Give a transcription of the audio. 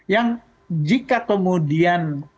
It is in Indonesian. yang jika kemudian